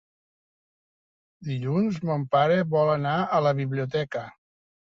Dilluns mon pare vol anar a la biblioteca.